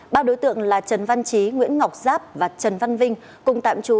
ba đối tượng là trần văn trí nguyễn ngọc giáp và trần văn vinh cùng tạm trú